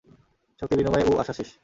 শক্তির বিনিময়ে উ আসাসিস।